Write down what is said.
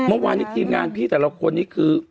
เมื่อวานนี้ทีมงานพี่แต่ละคนนี้คือ